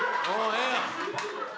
ええやん！